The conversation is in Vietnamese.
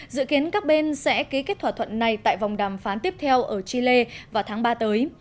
dự kiến các bên sẽ ký kết thỏa thuận này tại vòng đàm phán tiếp theo ở chile vào tháng ba tới